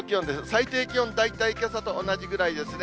最低気温、大体けさと同じぐらいですね。